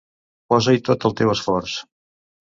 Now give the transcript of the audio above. Posa-hi tot el teu esforç.